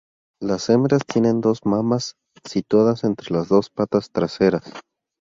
Las hembras tienen dos mamas situadas entre las dos patas traseras.